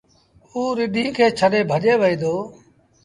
اوٚ رڍينٚ کي ڇڏي ڀڄي وهي دو۔